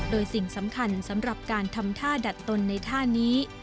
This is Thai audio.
โดยสิ่งสำคัญสำหรับการทำท่าดัดตนในท่านี้